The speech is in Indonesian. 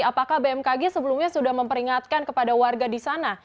apakah bmkg sebelumnya sudah memperingatkan kepada warga di sana